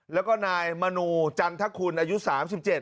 แล้วก็นายมณูจันทะคุณอายุ๓๗ปี